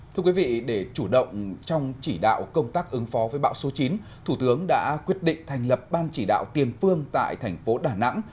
thưa quý vị để chủ động trong chỉ đạo công tác ứng phó với bão số chín thủ tướng đã quyết định thành lập ban chỉ đạo tiền phương tại thành phố đà nẵng